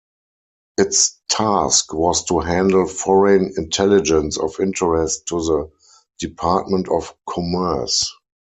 Its task was to handle foreign intelligence of interest to the Department of Commerce.